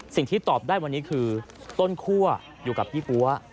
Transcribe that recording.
สิ่งที่ตอบได้วันนี้คือต้นคั่วอยู่กับยี่ปั๊ว